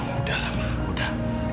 oh udahlah ma udah